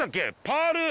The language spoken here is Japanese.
パール。